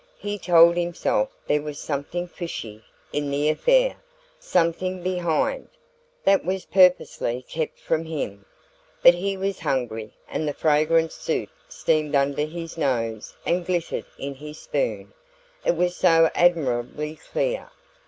He told himself there was something "fishy" in the affair something behind, that was purposely kept from him. But he was hungry, and the fragrant soup steamed under his nose and glittered in his spoon it was so admirably clear.